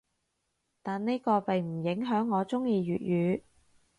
但呢個並唔影響我中意粵語‘